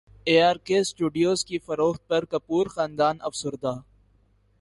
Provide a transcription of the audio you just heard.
ار K studios کی فروخت پر کپور خاندان افسردہ